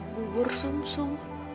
bubur sum sum